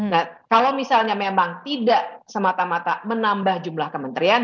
nah kalau misalnya memang tidak semata mata menambah jumlah kementerian